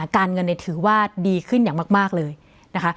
การเงินถือว่าดีขึ้นอย่างมากเลยนะคะ